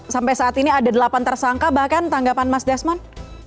sampai saat ini ada delapan tersangka bahkan tanggapan mas desmond